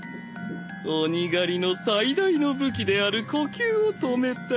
鬼狩りの最大の武器である呼吸を止めた。